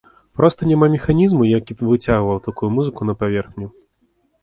Проста няма механізму, які б выцягваў такую музыку на паверхню.